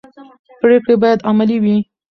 پرېکړې باید عملي وي